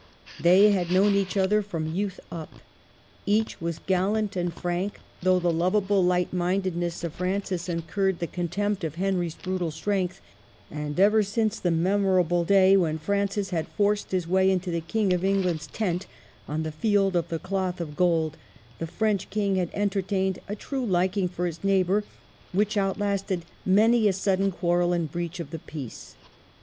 They had known each other from youth up ; each was gallant and frank, though the lovable light mindedness of Francis incurred the contempt of Henry's brutal strength ; and ever since the memorable day when Francis had forced his way into the King of England's tent on the Field of the Cloth of Gold, the French King had entertained a true liking for his neighbor, which outlasted many a sudden quarrel and breach of the peace.